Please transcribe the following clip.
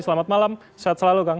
selamat malam sehat selalu kang